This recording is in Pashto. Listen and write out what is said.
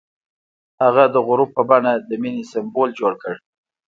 هغه د غروب په بڼه د مینې سمبول جوړ کړ.